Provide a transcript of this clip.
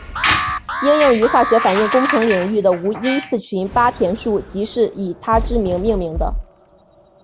应用于化学反应工程领域的无因次群八田数即是以他之名命名的。